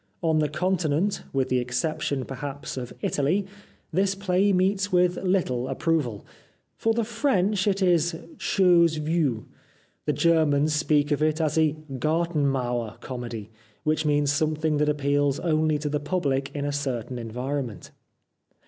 On the Continent, with the exception, perhaps, of Italy, this play meets with little approval. For the French it is choses vues ; the Germans speak of it as a Gartenmauer comedy, which means something that appeals only to the public in a certain en vironment.